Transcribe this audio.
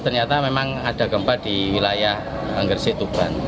ternyata memang ada gempa di wilayah anggersi tuban